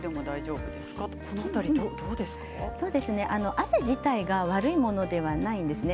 汗自体が悪いものではないんですね。